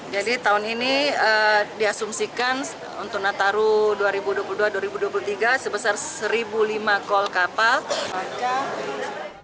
jadi tahun ini diasumsikan untuk nataru dua ribu dua puluh dua dua ribu dua puluh tiga sebesar satu lima kol kapal